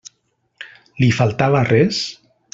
Li faltava res?